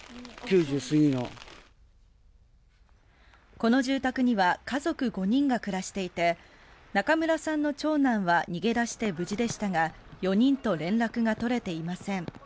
この住宅には家族５人が暮らしていて中村さんの長男は逃げ出して無事でしたが４人と連絡が取れていません。